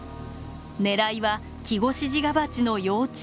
狙いはキゴシジガバチの幼虫。